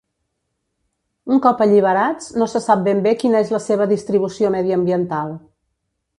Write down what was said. Un cop alliberats, no se sap ben bé quina és la seva distribució mediambiental.